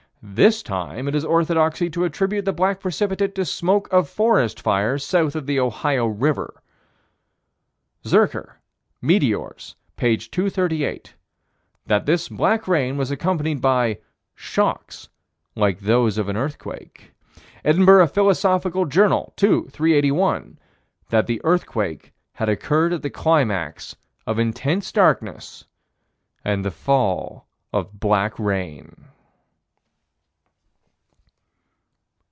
This time it is orthodoxy to attribute the black precipitate to smoke of forest fires south of the Ohio River Zurcher, Meteors, p. 238: That this black rain was accompanied by "shocks like those of an earthquake." Edinburgh Philosophical Journal, 2 381: That the earthquake had occurred at the climax of intense darkness and the fall of black rain.